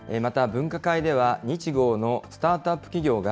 分科会では、日豪のスタートアップ企業が、